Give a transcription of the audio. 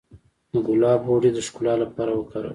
د ګلاب غوړي د ښکلا لپاره وکاروئ